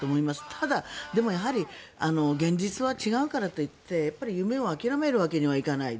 ただ、でもやはり現実は違うからといって夢を諦めるわけにはいかない。